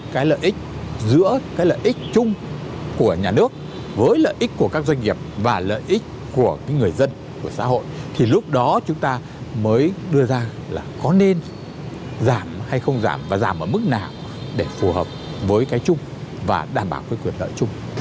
cái lợi ích giữa cái lợi ích chung của nhà nước với lợi ích của các doanh nghiệp và lợi ích của người dân của xã hội thì lúc đó chúng ta mới đưa ra là có nên giảm hay không giảm và giảm ở mức nào để phù hợp với cái chung và đảm bảo cái quyền lợi chung